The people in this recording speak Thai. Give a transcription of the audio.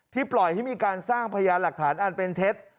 ปล่อยให้มีการสร้างพยานหลักฐานอันเป็นเท็จ